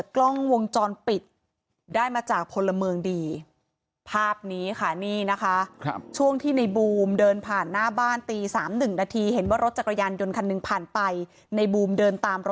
คนบอกผมไม่เหลืออะไรแล้ว